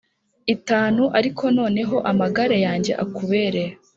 itanu ariko noneho amagara yanjye akubere